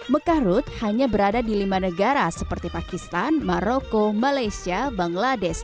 mekah route hanya berada di lima negara seperti pakistan maroko malaysia bangladesh